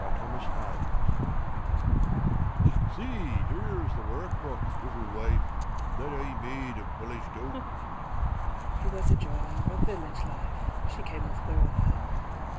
THE WORKBOX "SEE, here's the workbox, little wife, That I made of polished oak." He was a joiner, of village life; She came of borough folk.